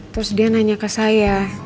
terus dia nanya ke saya